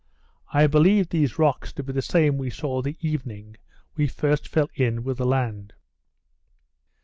I believe these rocks to be the same we saw the evening we first fell in with the land.